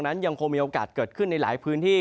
ยังคงมีโอกาสเกิดขึ้นในหลายพื้นที่